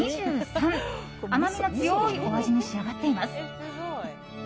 甘みの強いお味に仕上がっています。